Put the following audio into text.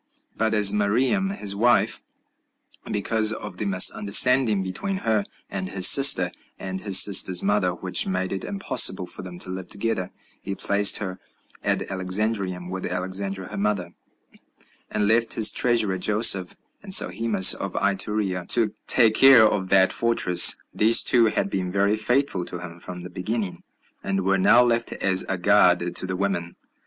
But as to Mariamne his wife, because of the misunderstanding between her and his sister, and his sister's mother, which made it impossible for them to live together, he placed her at Alexandrium, with Alexandra her mother, and left his treasurer Joseph and Sohemus of Iturea to take care of that fortress. These two had been very faithful to him from the beginning, and were now left as a guard to the women.